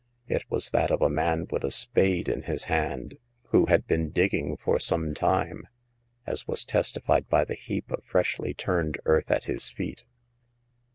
It was that of a man with a s^ade la 56 Hagar of the Pawn Shop. his hand, who had been digging for some time, as was testified by the heap of freshly turned earth at his feet.